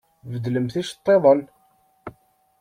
Beddlemt iceṭṭiḍen!